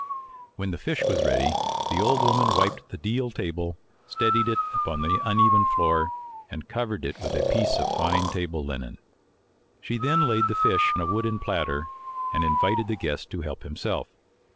When the fish was ready, the old woman wiped the deal table, steadied it upon the uneven floor, and covered it with a piece of fine table linen. She then laid the fish on a wooden platter, and invited the guest to help himself.